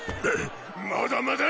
ままだまだ！